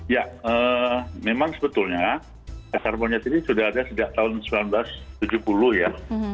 ya memang sebetulnya cacar monyet ini sudah ada sejak tahun seribu sembilan ratus tujuh puluh ya